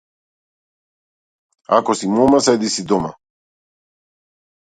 Ако си мома, седи си дома.